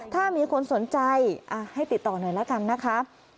ถ้ามีคนสนใจให้ติดต่อหน่อยละกันนะคะ